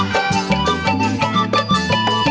กลับมาที่สุดท้าย